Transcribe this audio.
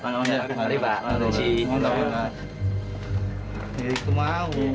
nih itu mau